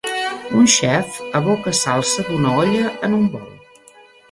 Un xef aboca salsa d'una olla en un bol